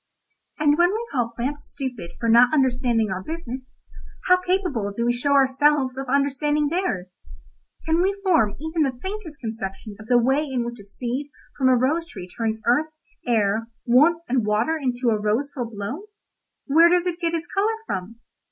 "And when we call plants stupid for not understanding our business, how capable do we show ourselves of understanding theirs? Can we form even the faintest conception of the way in which a seed from a rose tree turns earth, air, warmth and water into a rose full blown? Where does it get its colour from?